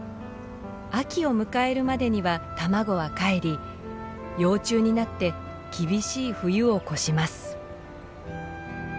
秋を迎えるまでには卵はかえり幼虫になって厳しい冬を越します。